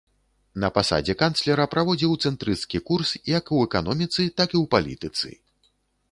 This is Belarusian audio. На пасадзе канцлера праводзіў цэнтрысцкі курс як у эканоміцы, так і ў палітыцы.